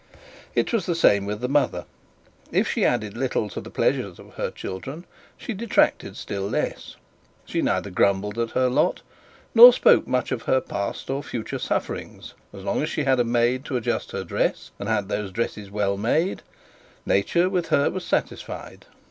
It was the same with the mother. If she added little to the pleasures of her children she detracted still less: she neither grumbled at her lot, nor spoke much of her past or future sufferings; as long as she had a maid to adjust her dress, and had those dresses well made, nature with her was satisfied.